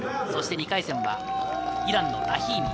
２回戦はイランのラヒーミー。